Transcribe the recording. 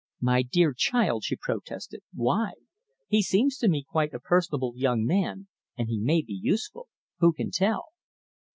"My dear child," she protested, "why? He seems to me quite a personable young man, and he may be useful! Who can tell?"